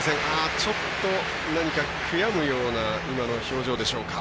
ちょっと何か悔やむような表情でしょうか。